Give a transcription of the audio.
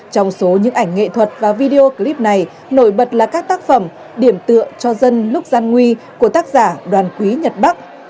trong số những ảnh nghệ thuật và video clip này nổi bật là các tác phẩm điểm tựa cho dân lúc gian nguy của tác giả đoàn quý nhật bắc